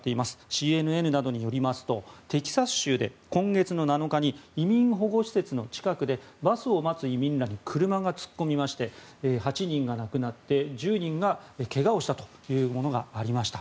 ＣＮＮなどによりますとテキサス州で今月の７日に移民保護施設の近くでバスを待つ移民らに車が突っ込みまして８人が亡くなって１０人がけがをしたというものがありました。